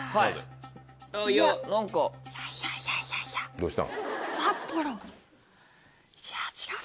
どうしたん？